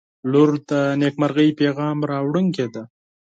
• لور د نیکمرغۍ پیغام راوړونکې ده.